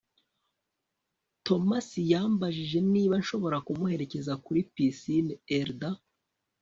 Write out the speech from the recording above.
thomas yambajije niba nshobora kumuherekeza kuri pisine. (eldad